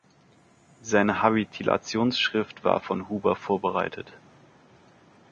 Seine Habilitationsschrift war von Huber vorbereitet.